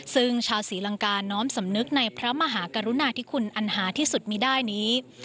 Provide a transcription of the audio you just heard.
ซึ่งชาวศรีลังกาน้อมสำนึกในพระมหากรุณาที่คุณอันหาที่สุดมีได้นี้